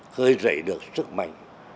khơi dậy được sức mạnh